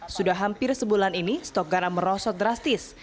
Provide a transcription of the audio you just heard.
sudah hampir sebulan ini stok garam merosot drastis